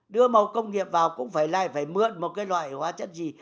đưa màu công nghiệp vào cũng phải lại phải mượn một cái loại hoa chất gì